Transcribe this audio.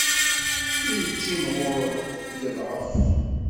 Mi yettimɣur, yeḍɛef.